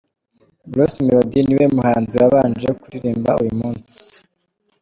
Bruce Melody niwe muhanzi wabanje kuririmba uyu munsi